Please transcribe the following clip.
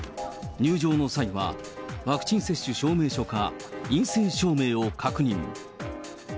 入場の際は、ワクチン接種証明書か陰性証明を確認。